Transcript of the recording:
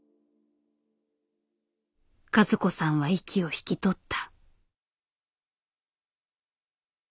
和子さんは息を引き取った。